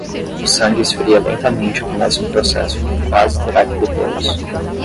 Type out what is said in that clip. O sangue esfria lentamente e começa um processo que quase terá que detê-los.